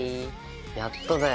やっとだよ。